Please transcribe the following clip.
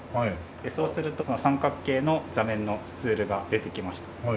そうするとその三角形の座面のスツールが出てきました。